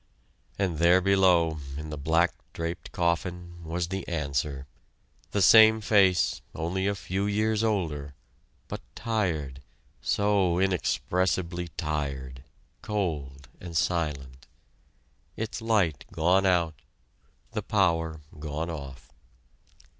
And there below, in the black draped coffin, was the answer the same face, only a few years older, but tired, so inexpressibly tired, cold and silent; its light gone out the power gone off.